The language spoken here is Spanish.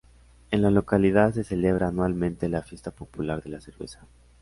En la localidad se celebra anualmente la fiesta popular de la cerveza.